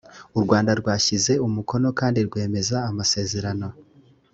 u rwanda rwashyize umukono kandi rwemeza amasezerano